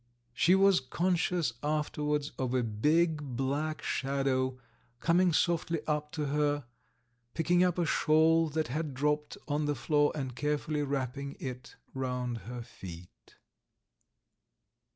She was conscious afterwards of a big, black shadow coming softly up to her, picking up a shawl that had dropped on to the floor and carefully wrapping it round her feet.